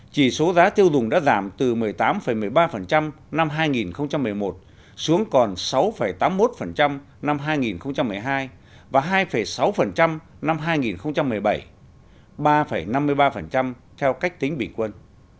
chỉ số giá tiêu dùng đã giảm từ một mươi tám một mươi ba năm hai nghìn một mươi một xuống còn sáu tám mươi một năm hai nghìn một mươi hai và hai sáu năm hai nghìn một mươi bảy ba năm mươi ba theo cách tính bình quân